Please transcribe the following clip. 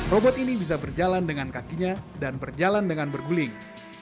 robot ini bisa berjalan dengan kakinya dan berjalan dengan berguling